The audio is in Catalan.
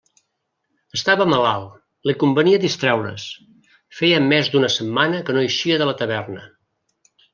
Estava malalt, li convenia distraure's, feia més d'una setmana que no eixia de la taverna.